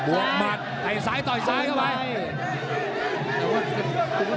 วงหมัดใส่ซ้ายต่อยซ้ายเข้าไป